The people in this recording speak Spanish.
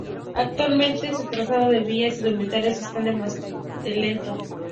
Actualmente su trazado de vías y durmientes está desmantelado.